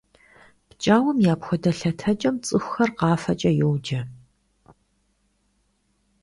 ПкӀауэм и апхуэдэ лъэтэкӀэм цӀыхухэр къафэкӀэ йоджэ.